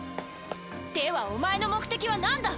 ではお前の目的は何だ！